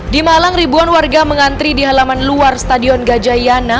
di malang ribuan warga mengantri di halaman luar stadion gajah yana